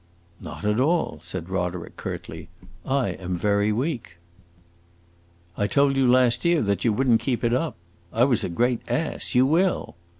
"Not at all," said Roderick curtly. "I am very weak!" "I told you last year that you would n't keep it up. I was a great ass. You will!"